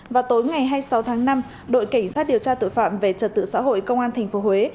vào tối ngày hai mươi sáu tháng năm đội cảnh sát điều tra tội phạm về trật tự xã hội công an tp huế